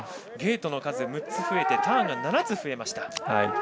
ゲートの数が６つ増えてターンが７つ増えました。